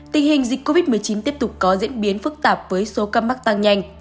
tình hình dịch covid một mươi chín tiếp tục có diễn biến phức tạp với số ca mắc tăng nhanh